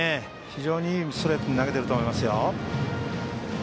非常にいいストレートを投げていると思いますよ。